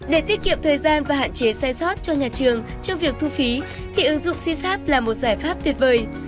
để tiết kiệm thời gian và hạn chế sai sót cho nhà trường trong việc thu phí thì ứng dụng sysapp là một giải pháp tuyệt vời